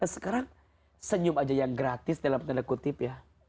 sekarang senyum aja yang gratis dalam tanda kutip ya